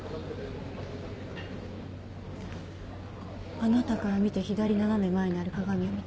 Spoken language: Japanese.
あなたから見て左斜め前にある鏡を見て。